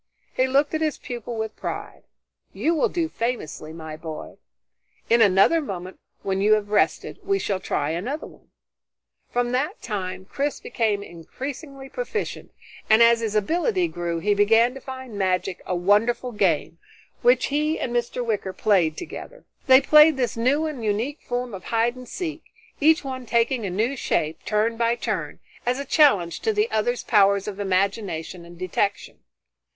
He looked at his pupil with pride. "You will do famously, my boy. In another moment, when you have rested, we shall try another one." From that time, Chris became increasingly proficient, and as his ability grew he began to find magic a wonderful game, which he and Mr. Wicker played together. They played this new and unique form of hide and seek, each one taking a new shape, turn by turn, as a challenge to the other's powers of imagination and detection.